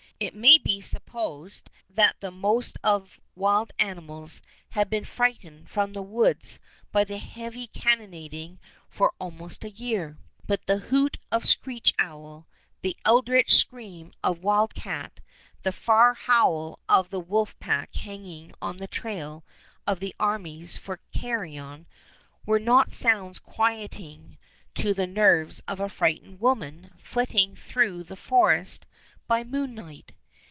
It may be supposed that the most of wild animals had been frightened from the woods by the heavy cannonading for almost a year; but the hoot of screech owl, the eldritch scream of wild cat, the far howl of the wolf pack hanging on the trail of the armies for carrion, were not sounds quieting to the nerves of a frightened woman flitting through the forest by moonlight.